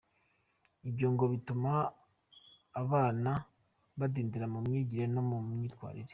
Ibyo ngo bituma abana badindira mu myigire no mu myitwarire.